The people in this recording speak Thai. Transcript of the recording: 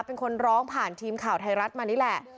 เป็นคนร้องผ่านทีมข่าวไทยรัฐมานี่แหละ